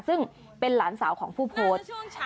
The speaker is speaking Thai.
ซึ่งเป็นหลานสาวของผู้โพสต์